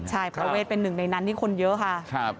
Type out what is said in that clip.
ใช่ประเวทเป็นหนึ่งในนั้นที่คนเยอะค่ะ